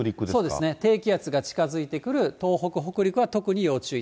そうですね、低気圧が近づいてくる東北、北陸は特に要注意。